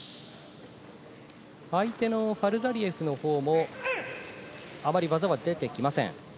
相手のファルザリエフのほうはあまり技が出てきません。